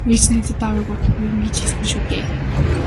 - Ээж надад аавыг удахгүй ирнэ гэж хэлсэн шүү дээ.